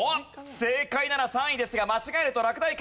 正解なら３位ですが間違えると落第圏内。